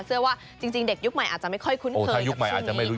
เชื่อว่าจริงเด็กยุคใหม่อาจจะไม่ค่อยคุ้นเคยกับชื่อนี้